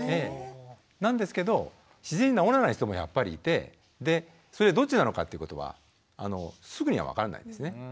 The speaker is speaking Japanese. なんですけど自然に治らない人もやっぱりいてでそれどっちなのかっていうことはすぐには分からないんですね。